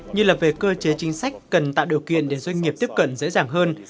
như là về cơ chế chính sách cần tạo điều kiện để doanh nghiệp tiếp cận dễ dàng hơn